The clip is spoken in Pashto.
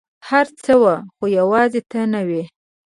هر څه وه ، خو یوازي ته نه وې !